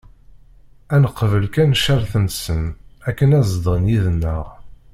Ad neqbel kan ccerṭ-nsen akken ad zedɣen yid-neɣ.